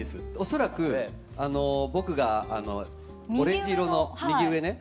恐らく僕がオレンジ色の右上ね